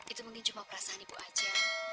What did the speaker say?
itu mungkin cuma perasaan ibu aja